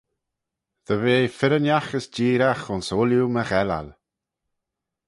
Dy ve firrinagh as jeeragh ayns ooilley my ghellal.